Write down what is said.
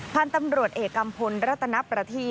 พันธุ์ตำรวจเอกกัมพลรัตนประที